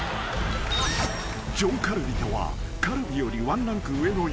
［上カルビとはカルビよりワンランク上の一品］